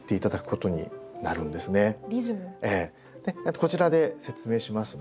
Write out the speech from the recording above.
こちらで説明しますね。